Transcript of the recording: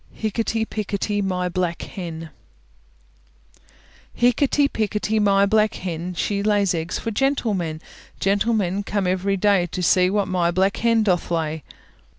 HICKETY PICKETY MY BLACK HEN Hickety, pickety, my black hen, She lays eggs for gentlemen; Gentlemen come every day To see what my black hen doth lay.